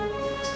robin siapa ya